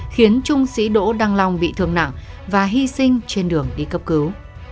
khiến trung sĩ đỗ đăng long bị thương nặng và hy sinh trên đường đi cấp cứu